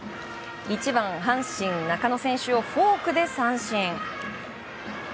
１番の阪神、中野選手をフォークで三振。